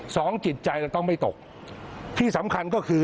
สองจิตใจเราต้องไม่ตกที่สำคัญก็คือ